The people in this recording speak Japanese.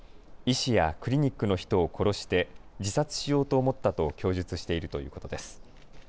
医師やクリニックの人を殺して自殺しようと思ったと供述しているということです。